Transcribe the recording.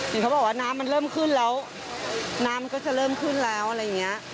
เห็นเขาบอกว่าน้ำมันเริ่มขึ้นแล้วน้ำมันก็จะเริ่มขึ้นแล้วอะไรอย่างนี้